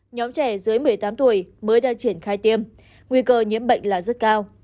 nhóm trẻ dưới một mươi tám tuổi mới đang triển khai tiêm nguy cơ nhiễm bệnh là rất cao